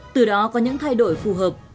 từ đó có những thay đổi phù hợp